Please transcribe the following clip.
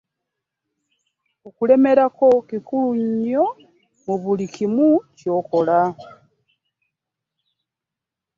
Okulemerako kikulu nnyo mu buli kimu ky'okola.